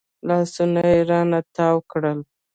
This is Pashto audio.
لاسونه يې رانه تاو کړل.